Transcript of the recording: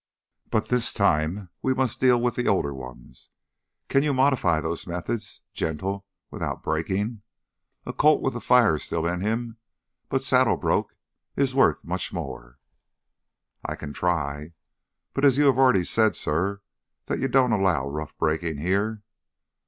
But this time we must deal with the older ones. Can you modify those methods, gentle without breaking? A colt with the fire still in him, but saddle broke, is worth much more—" "I can try. But you have already said, suh, that you don't allow rough breakin' here."